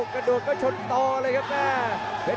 กระดวกก็ชนต่อเลยครับมาเผ็ด